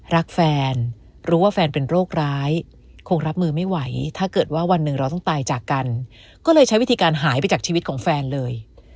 รักแฟนรู้ว่าแฟนเป็นโรคร้ายคงรับมือไม่ไหวถ้าเกิดว่าวันหนึ่งเราต้องตายจากกันก็เลยใช้วิธีการหายไปจากชีวิตของแฟนเลย